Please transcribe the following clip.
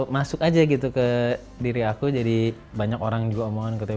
masuk aja gitu ke diri aku jadi banyak orang juga omongin gitu ya